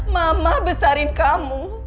mama besarin kamu